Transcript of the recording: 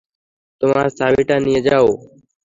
তোমার চাবিটা নিয়ে যাও!